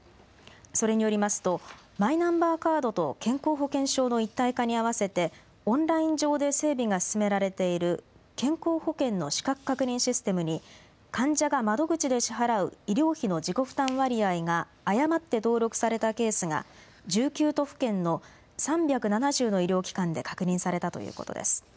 それによりますとマイナンバーカードと健康保険証の一体化に合わせてオンライン上で整備が進められている健康保険の資格確認システムに患者が窓口で支払う医療費の自己負担割合が誤って登録されたケースが１９都府県の３７０の医療機関で確認されたということです。